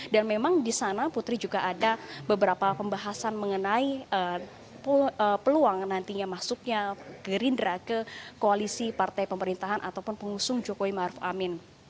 dan memang di sana putri juga ada beberapa pembahasan mengenai peluang nantinya masuknya gerindra ke koalisi partai pemerintahan ataupun pengusung jokowi maruf amin